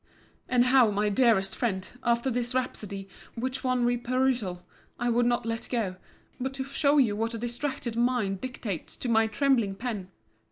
—— And how, my dearest friend, after this rhapsody, which on re perusal, I would not let go, but to show you what a distracted mind dictates to my trembling pen!